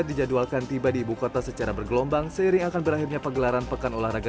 dijadwalkan tiba di ibukota secara bergelombang sering akan berakhirnya pegelaran pekan olahraga